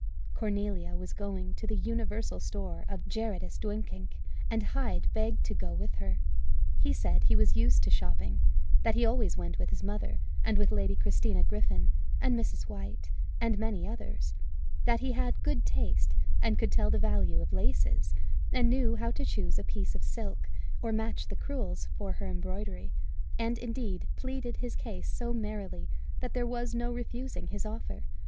Cornelia was going to the "Universal Store" of Gerardus Duyckinck, and Hyde begged to go with her. He said he was used to shopping; that he always went with his mother, and with Lady Christina Griffin, and Mrs. White, and many others; that he had good taste, and could tell the value of laces, and knew how to choose a piece of silk, or match the crewels for her embroidery; and, indeed, pleaded his case so merrily, that there was no refusing his offer.